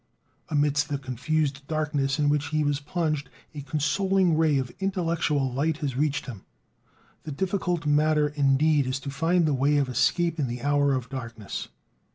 Amidst the confused darkness in which he was plunged, a consoling ray of intellectual light has reached him. The difficult matter, indeed, is to find the way of escape in the hour of darkness.